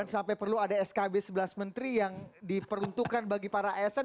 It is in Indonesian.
sampai perlu ada skb sebelas menteri yang diperuntukkan bagi para asn